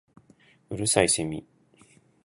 五月蠅いセミ